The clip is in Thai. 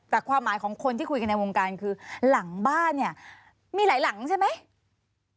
แต่ความหมายของคนที่คุยกันในวงการคือหลังบ้านเนี่ยมีหลายหลังใช่ไหม